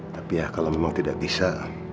tapi ya kalau memang tidak bisa